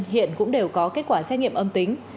hiện cũng đều có kết quả xét nghiệm âm tính